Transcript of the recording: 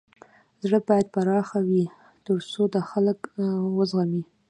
زړه بايد پراخه وي تر څو د خلک و زغمی.